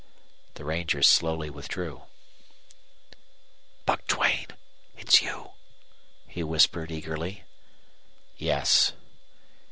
The rangers slowly withdrew. "Buck Duane! It's you?" he whispered, eagerly. "Yes."